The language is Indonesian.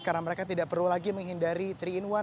karena mereka tidak perlu lagi menghindari tiga in satu